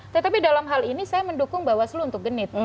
tetapi dalam hal ini saya mendukung bawaslu untuk genit